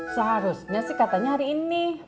seharusnya sih katanya hari ini